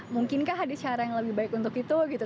mungkinkah ada cara yang lebih baik untuk itu gitu